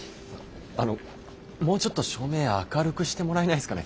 あのもうちょっと照明明るくしてもらえないですかね？